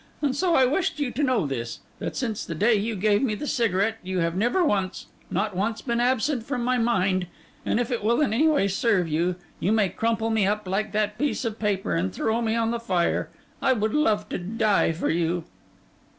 And so I wished you to know this: That since the day you gave me the cigarette, you have never once, not once, been absent from my mind; and if it will in any way serve you, you may crumple me up like that piece of paper, and throw me on the fire. I would love to die for you.